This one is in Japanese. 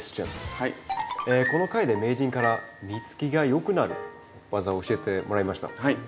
この回で名人から実つきが良くなる技を教えてもらいました。